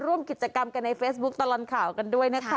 ร่วมกิจกรรมกันในเฟซบุ๊คตลอดข่าวกันด้วยนะคะ